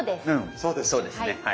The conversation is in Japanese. そうですねはい。